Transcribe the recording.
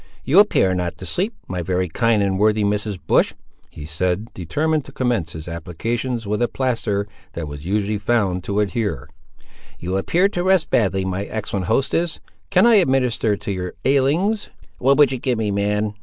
"You appear not to sleep, my very kind and worthy Mrs. Bush," he said, determined to commence his applications with a plaster that was usually found to adhere; "you appear to rest badly, my excellent hostess; can I administer to your ailings?" "What would you give me, man?"